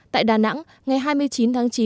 tại đà nẵng ngày hai mươi chín tháng chín